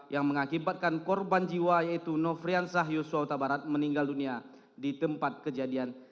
yang mengakibatkan korban jiwa yaitu nofrian sahius syahuta barat meninggal dunia di tempat kejadian